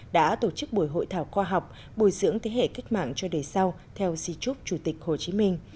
đã tổ chức buổi hội thảo khoa học bồi dưỡng thế hệ cách mạng cho đời sau theo di trúc chủ tịch hồ chí minh